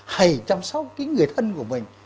hãy chăm sóc cái người thân của mình